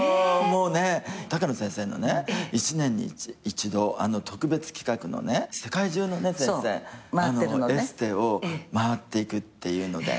もうねたかの先生のね一年に一度特別企画の世界中のエステを回っていくっていうので。